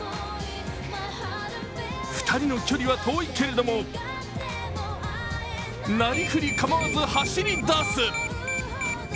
２人の距離は遠いけれどもなりふり構わず走り出す。